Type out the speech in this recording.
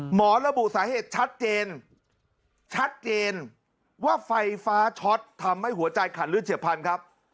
ระบุสาเหตุชัดเจนชัดเจนว่าไฟฟ้าช็อตทำให้หัวใจขาดเลือดเฉียบพันธุ์ครับ